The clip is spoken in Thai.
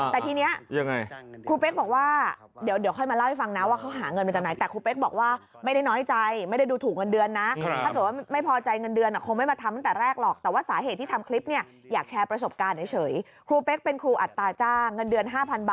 แต่ทีนี้ครูเพคบอกว่าเดี๋ยวค่อยมาเล่าให้ฟังนะว่าเค้าหาเงินมาจากไหน